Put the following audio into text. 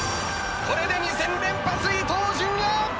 これで２戦連発伊東純也！